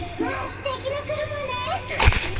すてきなくるまね。